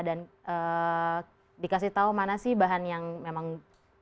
dan dikasih tahu mana sih bahan yang memang bagus untuk makan